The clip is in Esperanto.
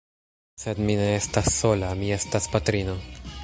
Sed mi ne estas sola, mi estas patrino!